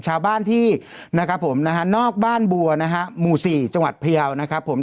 ชาวบ้านที่นะครับผมนะฮะนอกบ้านบัวนะฮะหมู่สี่จังหวัดพยาวนะครับผม